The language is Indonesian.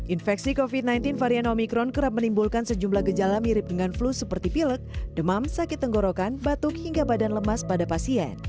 infeksi covid sembilan belas varian omikron kerap menimbulkan sejumlah gejala mirip dengan flu seperti pilek demam sakit tenggorokan batuk hingga badan lemas pada pasien